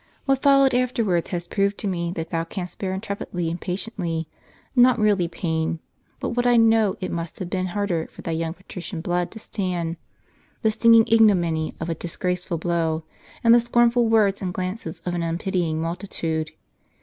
What fol lowed afterwards has proved to me that thou canst bear in trepidly and patiently, not merely pain, but what I know it must have been harder for thy young patrician blood to stand, the stinging ignominy of a disgraceful blow, and the scorntul words and glances of an unpitying multitude.